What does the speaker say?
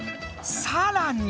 さらに。